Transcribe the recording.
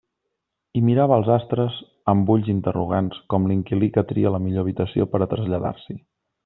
I mirava als astres amb ulls interrogants, com l'inquilí que tria la millor habitació per a traslladar-s'hi.